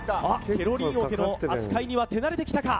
ケロリン桶の扱いには手慣れてきたか？